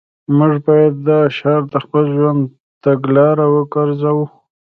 موږ باید دا شعار د خپل ژوند تګلاره وګرځوو